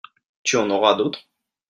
Tu en auras d'autres ?